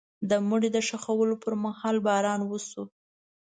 د مړي د ښخولو پر مهال باران وشو.